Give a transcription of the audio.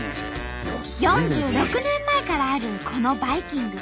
４６年前からあるこのバイキング。